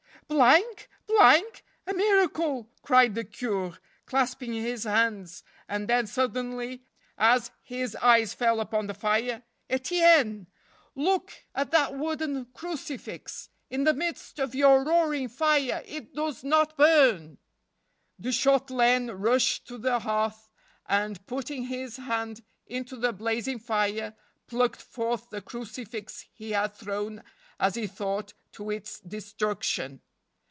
" "Blank? Blank? A miracle!" cried the Cur6, clasping his hands, and then, suddenly, as his eyes fell upon the fire, " Etienne, look at that wooden crucifix; in the midst of your roaring fire it does not burn! " De Shautelaine rushed to the hearth, and, putting his hand into the blazing fire, plucked forth the cruci¬ fix he had thrown, as he thought, to its destruction.